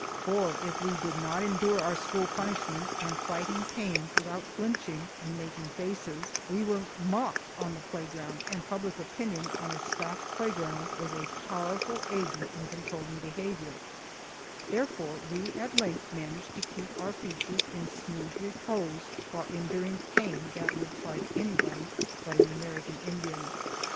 For if we did not endure our school punishments and fighting pains without flinching and making faces, we were mocked on the playground, and public opinion on a Scotch playground was a powerful agent in controlling behavior; therefore we at length managed to keep our features in smooth repose while enduring pain that would try anybody but an American Indian.